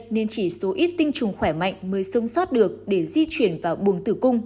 nên chỉ số ít tinh trùng khỏe mạnh mới sống sót được để di chuyển vào buồng tử cung